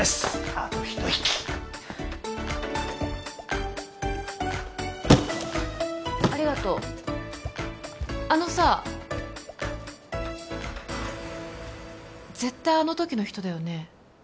あと一息ありがとうあのさ絶対あの時の人だよね？